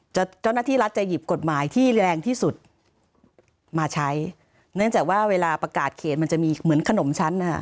เจ้าหน้าที่รัฐจะหยิบกฎหมายที่แรงที่สุดมาใช้เนื่องจากว่าเวลาประกาศเขตมันจะมีเหมือนขนมชั้นนะฮะ